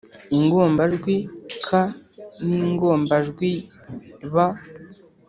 ingombajwi k n’ingombajwi b